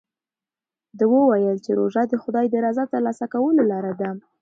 ده وویل چې روژه د خدای د رضا ترلاسه کولو لاره ده.